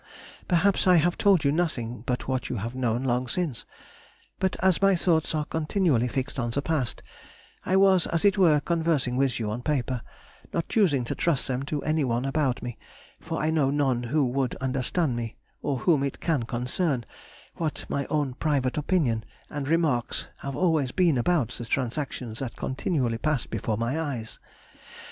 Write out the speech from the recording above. Perhaps I have told you nothing but what you have known long since; but as my thoughts are continually fixed on the past, I was, as it were, conversing with you on paper, not choosing to trust them to any one about me, for I know none who would understand me, or whom it can concern, what my own private opinion and remarks have always been about the transactions that continually passed before my eyes.